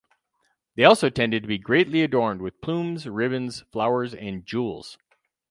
They also tended to be greatly adorned with plumes, ribbons, flowers, and jewels.